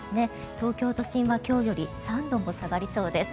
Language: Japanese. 東京都心は今日より３度も下がりそうです。